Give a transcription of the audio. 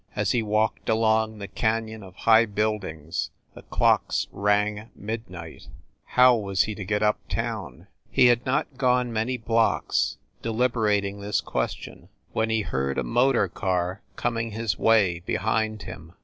As he walked along the canyon of high buildings the clocks rang midnight. How was he to get up town ? He had not gone many blocks deliberating this question, when he heard a motor car coming his way, behind him.